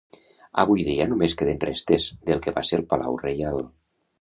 Avui dia només queden restes del que va ser el palau reial.